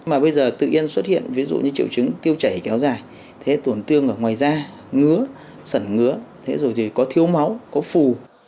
mà bây giờ tự yên xuất hiện ví dụ như triệu chứng tiêu chảy kéo dài tổn tương ở ngoài da ngứa sẩn ngứa có thiếu máu có phù